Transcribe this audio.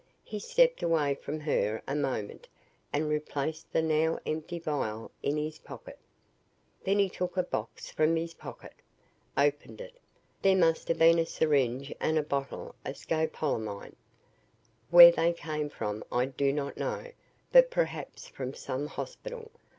He stepped away from her a moment and replaced the now empty vial in his pocket. "Then he took a box from his pocket, opened it. There must have been a syringe and a bottle of scopolamine. Where they came from I do not know, but perhaps from some hospital.